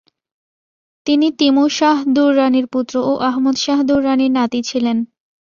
তিনি তিমুর শাহ দুররানির পুত্র ও আহমদ শাহ দুররানির নাতি ছিলেন।